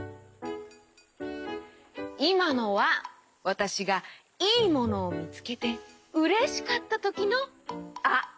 いまのはわたしがいいものみつけてうれしかったときの「あ」！